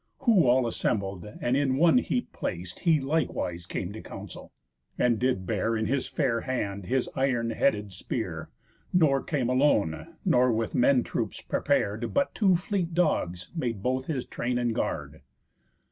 Who all assembled, and in one heap plac'd He likewise came to council, and did bear In his fair hand his iron headed spear. Nor came alone, nor with men troops prepar'd, But two fleet dogs made both his train and guard.